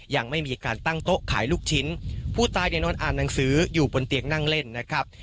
ยังไม่มีการตั้งโต๊ะขายลูกชิ้นผู้ตายเนี่ยนอนอ่านหนังสืออยู่บนเตียงนั่งเล่นนะครับ